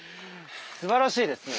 すばらしいですね。